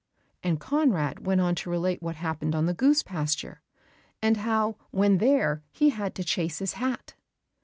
And Conrad went on to relate what happened on the goose pasture, and how when there he had to chase his hat.